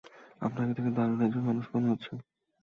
আপনাকে দেখে দারুণ একজন মানুষ মনে হচ্ছে!